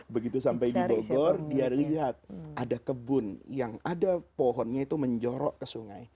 begitu sampai di bogor dia lihat ada kebun yang ada pohonnya itu menjorok ke sungai